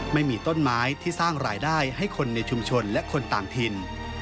ไม่มีต้นไม้ที่สร้างรายได้ให้คนในชุมชนและคนต่างถิ่น